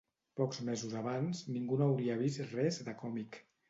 Pocs mesos abans, ningú no hauria vist res de còmic